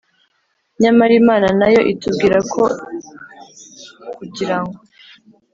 nyamara imana nayo itubwira ko kugirango